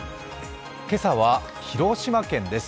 今朝は広島県です。